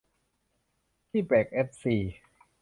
พี่แบ่คเอฟซี